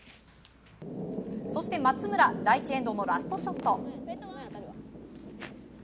そして松村第１エンドのラストショット。